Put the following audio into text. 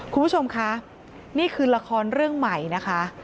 คุณผู้ชมคะนี่คือละครเรื่องใหม่นะคะ